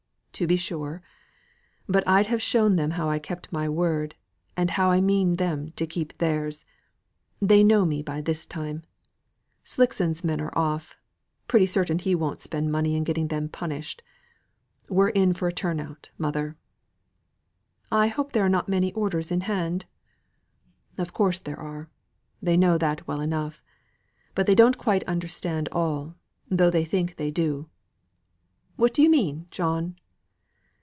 "To be sure. But I'd have shown them how to keep my word, and how I mean them to keep their's. They know me by this time. Slickson's men are off pretty certain he won't spend money in getting them punished. We're in for a turn out, mother." "I hope there are not many orders in hand?" "Of course there are. They know that well enough. But they don't quite understand all, though they think they do." "What do you mean, John?"